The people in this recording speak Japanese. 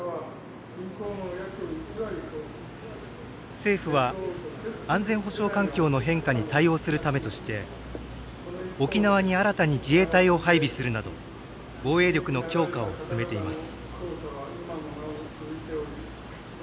政府は、安全保障環境の変化に対応するためとして沖縄に新たに自衛隊を配備するなど防衛力の強化を進めています。